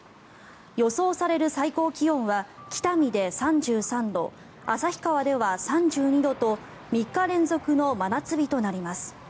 予想される最高気温は北見で３３度旭川では３２度と３日連続の真夏日となります。